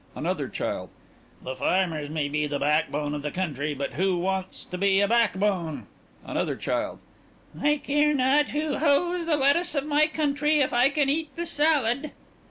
ANOTHER CHILD: The farmers may be the backbone of the country, but who wants to be a backbone? ANOTHER CHILD: I care not who hoes the lettuce of my country if I can eat the salad!